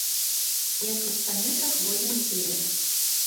Як і ў ста метрах вольным стылем.